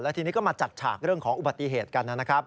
ทีนี้ก็มาจัดฉากเรื่องของอุบัติเหตุกันนะครับ